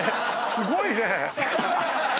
すごいね。